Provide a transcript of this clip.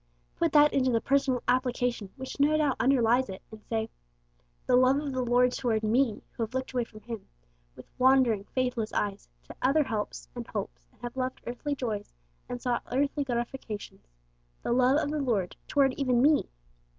Put that into the personal application which no doubt underlies it, and say, 'The love of the Lord toward me, who have looked away from Him, with wandering, faithless eyes, to other helps and hopes, and have loved earthly joys and sought earthly gratifications, the love of the Lord toward even me!'